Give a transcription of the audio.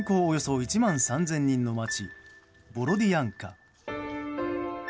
およそ１万３０００人の街ボロディアンカ。